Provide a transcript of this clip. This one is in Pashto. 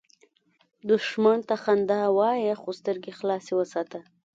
دښمن ته خندا وایه، خو سترګې خلاصه وساته